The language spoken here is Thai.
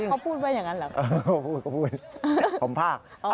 เขาพูดไปอย่างนั้นหรือ